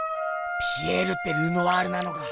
ピエールってルノワールなのか。